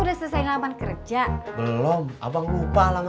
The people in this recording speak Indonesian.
udah selesai ngelamat kerja belum abang lupa alamatnya